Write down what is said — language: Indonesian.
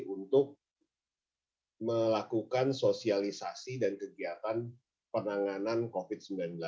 untuk melakukan sosialisasi dan kegiatan penanganan covid sembilan belas